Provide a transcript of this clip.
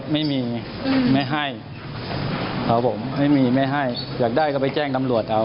ไม่มีไม่ให้อยากได้ก็ไปแจ้งตำรวจเอา